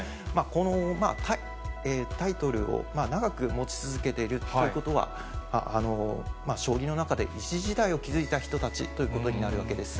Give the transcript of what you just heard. このタイトルを長く持ち続けてるっていうことは、将棋の中で一時代を築いた人たちということになるわけです。